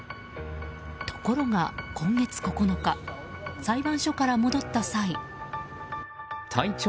ところが今月９日裁判所から戻った際。